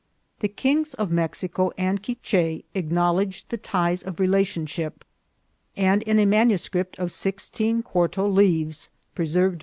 The kings of Mex ico and Quiche acknowledged the ties of relationship, and in a manuscript of sixteen quarto leaves, preserved COMING OF THE SPANIARDS.